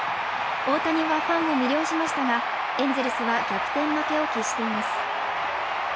大谷はファンを魅了しましたがエンゼルスは逆転負けを喫しています。